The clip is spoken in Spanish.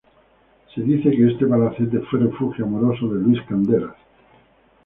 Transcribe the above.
Se dice que este palacete fue refugio amoroso de Luis Candelas.